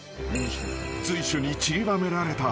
［随所にちりばめられた］